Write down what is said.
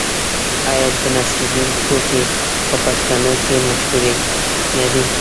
آیا د نصرالدین ټوکې په پښتنو کې مشهورې نه دي؟